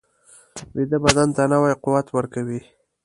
ویده بدن ته نوی قوت ورکوي